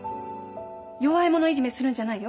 弱い者いじめするんじゃないよ。